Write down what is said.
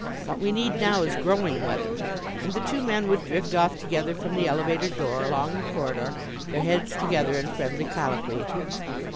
What we need now is growing weather." And the two men would drift off together from the elevator door along the corridor, their heads together in friendly colloquy.